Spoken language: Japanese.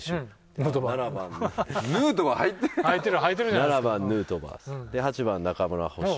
７番ヌートバーさん８番中村捕手。